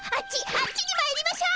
あっちにまいりましょ！